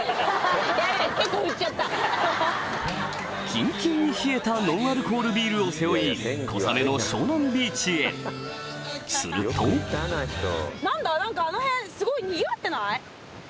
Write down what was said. キンキンに冷えたノンアルコールビールを背負い小雨の湘南ビーチへすると何だ？